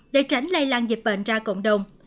để tránh lây lan dịch bệnh ra cộng đồng